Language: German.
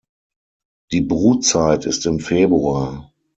Die Brutzeit ist im Februar.